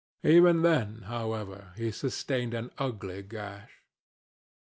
Even then, however, he sustained an ugly gash.